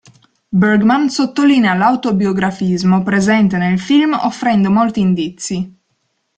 Bergman sottolinea l'autobiografismo presente nel film offrendo molti indizi.